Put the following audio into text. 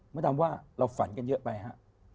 ดำว่าเราฝันกันเยอะไปฮะ